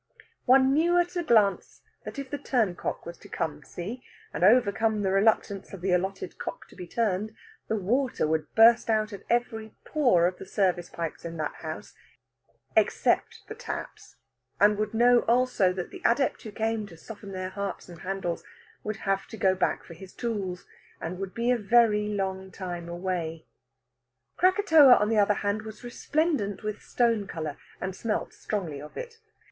One knew at a glance that if the turncock was to come, see, and overcome the reluctance of the allotted cock to be turned, the water would burst out at every pore of the service pipes in that house, except the taps; and would know also that the adept who came to soften their hearts and handles would have to go back for his tools, and would be a very long time away. Krakatoa, on the other hand, was resplendent with stone colour, and smelt strongly of it.